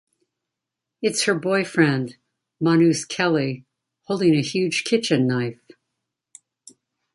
It's her boyfriend, Manus Kelley, holding a huge kitchen knife.